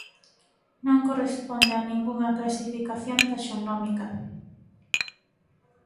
Non corresponde a ningunha clasificación taxonómica.